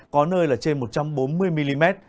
có nơi là trên một trăm bốn mươi mm